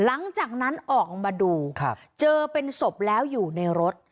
หลังจากนั้นออกมาดูเจอเป็นศพแล้วอยู่ในรถ